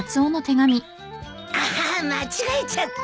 アハハ間違えちゃった。